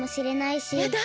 やだ